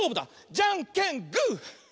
じゃんけんぽい！